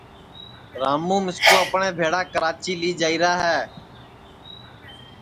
راموں مِسکُو اپٹؔے بھیݪا کراچی لی جائیرا ہے